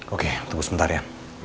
oke tunggu sebentar ya